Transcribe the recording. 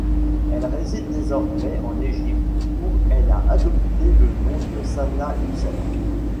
Elle réside désormais en Égypte, où elle a adopté le nom de Sana Youssef.